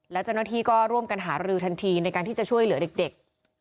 และเจ้าหน้าที่ก็ร่วมกันหารือทันทีในการที่จะช่วยเหลือเด็ก